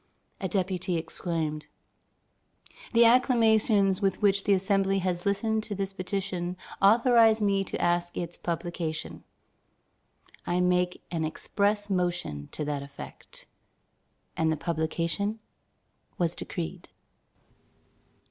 A deputy exclaimed: "The acclamations with which the Assembly has listened to this petition authorize me to ask its publication: I make an express motion to that effect." And the publication was decreed.